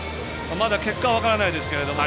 まだ結果は分からないですけども